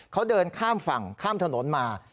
เขาเดินข้ามฝั่งข้ามถนนมา